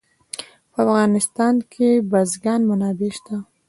په افغانستان کې د بزګان منابع شته.